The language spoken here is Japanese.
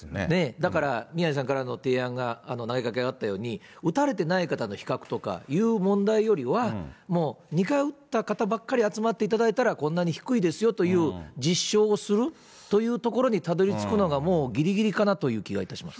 だから宮根さんからの提案が投げかけがあったように、打たれてない方の比較とかいう問題よりは、もう、２回打った方ばっかり集まっていただいたら、こんなに低いですよという実証をするというところにたどりつくのがもう、ぎりぎりかなという気がいたします。